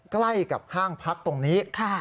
ใกล้กับห้างพักตรงนี้